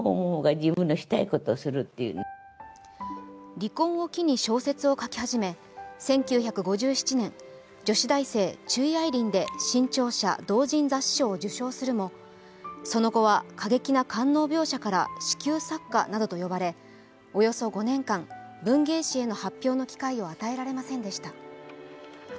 離婚を機に小説を書き始め１９５７年「女子大生・曲愛玲」で新潮社同人雑誌賞を受賞するもその後は過激な官能描写から子宮作家などと呼ばれ、およそ５年間、文芸誌への発表の機会を与えられませんでした。